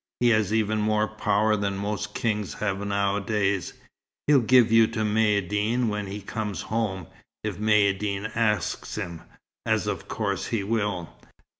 He has even more power than most kings have nowadays. He'll give you to Maïeddine when he comes home, if Maïeddine asks him, as of course he will.